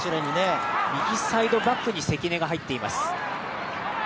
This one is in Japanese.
右サイドバックに関根が入っています。